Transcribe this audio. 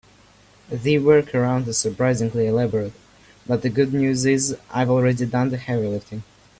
The workaround is surprisingly elaborate, but the good news is I've already done the heavy lifting.